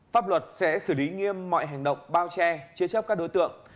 pháp luật sẽ xử lý nghiêm mọi hành động bao che chế chấp các đối tượng